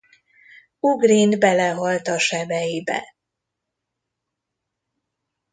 Ugrin belehalt a sebeibe.